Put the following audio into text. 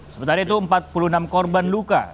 sementara itu empat puluh enam korban luka